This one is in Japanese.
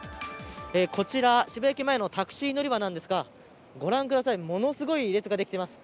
こちら渋谷駅前のタクシー乗り場なんですがご覧ください、ものすごい列ができています。